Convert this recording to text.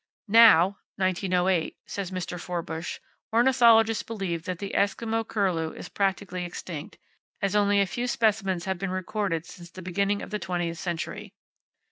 "Now (1908)," says Mr. Forbush, "ornithologists believe that the Eskimo curlew is practically extinct, as only a few specimens have been recorded since the beginning of the twentieth century."